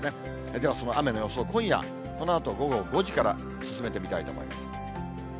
ではその雨の予想、今夜、このあと午後５時から進めてみたいと思います。